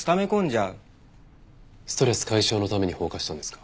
ストレス解消のために放火したんですか？